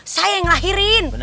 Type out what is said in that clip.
saya yang ngelahirin